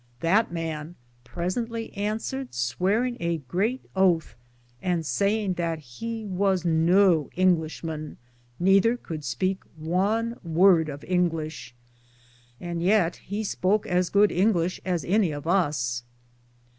That man presently answered, swearinge a greate othe, and sayde that he was no Inglishman, nether could speak one worde of Inglishe ; and yeat he spoke as good Inglishe as any of us.